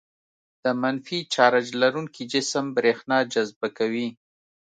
د منفي چارج لرونکي جسم برېښنا جذبه کوي.